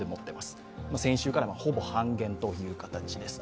先週からほぼ半減という形です。